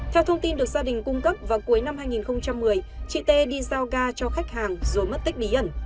theo thông tin được gia đình cung cấp vào cuối năm hai nghìn một mươi chị tê đi giao ga cho khách hàng rồi mất tích bí ẩn